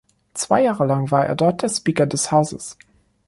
Zwei Jahre lang war er dort der Speaker des Hauses.